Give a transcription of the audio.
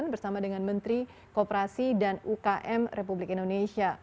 bersama dengan menteri kooperasi dan ukm republik indonesia